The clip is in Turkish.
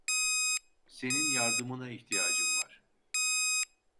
Senin yardımına ihtiyacım var.